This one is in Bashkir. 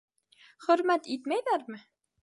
Хөрмәт итмәйҙәрме?